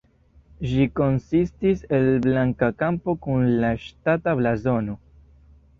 Ĝi konsistis el blanka kampo kun la ŝtata blazono.